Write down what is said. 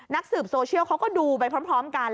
สืบโซเชียลเขาก็ดูไปพร้อมกัน